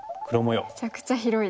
めちゃくちゃ広いですね。